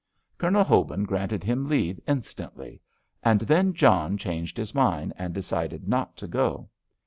Colonel Hobin granted him leave instantly—and then John changed his mind, and decided not to go.